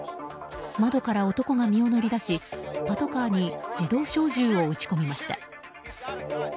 窓から男が身を乗り出しパトカーに自動小銃を撃ち込みました。